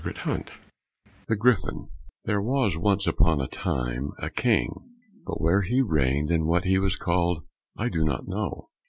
'" 165 The Griffin There was once upon a time a King, but where he reigned and what he was called, I do not know.